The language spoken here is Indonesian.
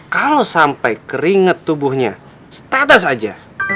kalau sampai keringet tubuhnya status aja